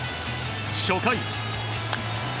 初回。